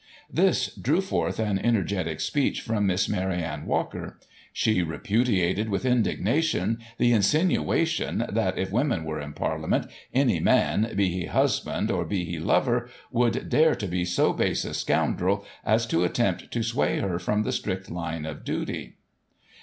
This drew forth an energetic speech from Miss Mary Anne Walker ; she " repudiated, with indignation, the insinua tion that, if women were in Parliament, any man, be he husband, or be he lover, would dare to be so base a scoundrel as to attempt to sway her from the strict line of duty."